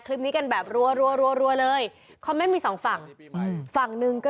คลิปนี้กันแบบรัวเลยคอมเมนต์มีสองฝั่งฝั่งหนึ่งก็